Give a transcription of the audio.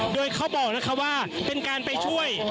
โดยเขาบอกนะคะว่าเป็นการไปช่วย